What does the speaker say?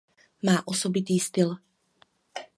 Má osobitý styl.